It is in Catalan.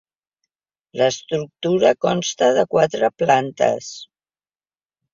L'estructura consta de quatres plantes.